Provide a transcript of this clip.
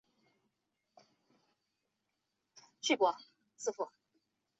本条目也主要讲述普通国道。